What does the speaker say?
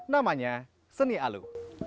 namanya seni alu